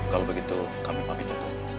kalau begitu kami mampir